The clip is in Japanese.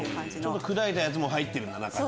砕いたやつも入ってるんだ中に。